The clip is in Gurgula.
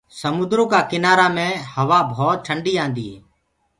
سموندرو ڪآ ڪِنآرآ مي هوآ ڀوت ٽنڊي آندي هي۔